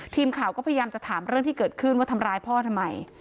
ทีมข่าวก็พยายามจะถามเรื่องที่เกิดขึ้นว่าทำร้ายพ่อทำไม